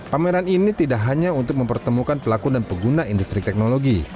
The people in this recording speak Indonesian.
pameran ini tidak hanya untuk mempertemukan pelaku dan pengguna industri teknologi